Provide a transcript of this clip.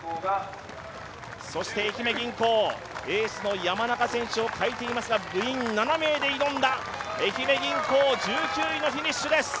愛媛銀行、エースの山中選手を欠いていますが部員７名で挑んだ愛媛銀行、１９位のフィニッシュです。